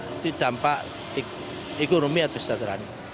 itu dampak ekonomi atau kesejahteraan